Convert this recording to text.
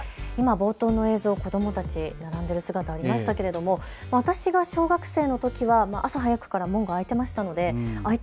冒頭の映像、子どもたちが並んでいる姿、ありましたけれども私が小学生のときは朝早くから門が開いていましたのであ